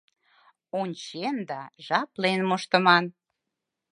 Ончен да жаплен моштыман.